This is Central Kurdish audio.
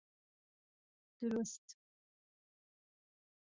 دروست!